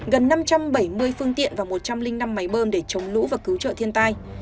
gần năm trăm bảy mươi phương tiện và một trăm linh năm máy bơm để chống lũ và cứu trợ thiên tai